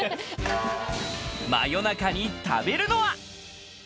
夜中に食べるのは。